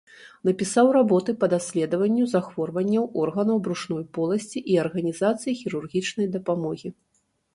Напісаў работы па даследаванню захворванняў органаў брушной поласці і арганізацыі хірургічнай дапамогі.